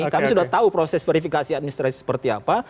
kami sudah tahu proses verifikasi administrasi seperti apa